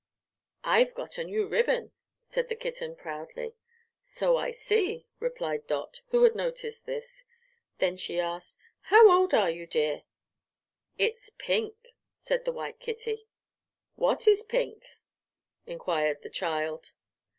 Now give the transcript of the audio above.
"I've got a new ribbon," said the kitten, proudly. "So I see," replied Dot, who had noticed this. Then she asked: "How old are you, dear?" "It's pink," said the white kitty. "What is pink?" enquired the child.